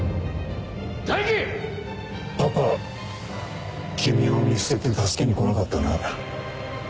パパ君を見捨てて助けに来なかったね。